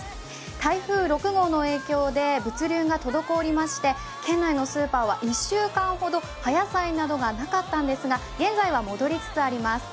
台風６号の影響で物流が滞りまして、県内のスーパーは１週間ほど、葉野菜などがなかったんですが、現在は戻りつつあります。